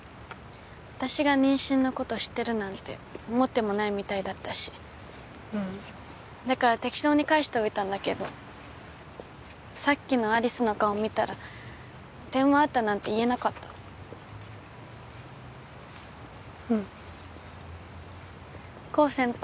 私が妊娠のこと知ってるなんて思ってもないみたいだったしだから適当に返しておいたんだけどさっきの有栖の顔見たら電話あったなんて言えなかったうんコウ先輩